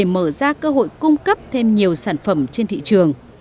mở ra cơ hội cung cấp thêm nhiều sản phẩm trên thị trường